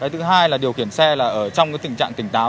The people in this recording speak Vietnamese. thứ hai là điều khiển xe là ở trong cái tình trạng tỉnh táo